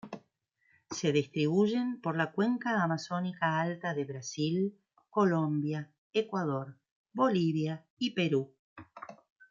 Se distribuyen por la cuenca amazónica alta de Brasil, Colombia, Ecuador, Bolivia y Perú.